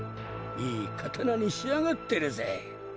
いい刀に仕上がってるぜ。